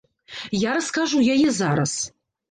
Я раскажу яе зараз.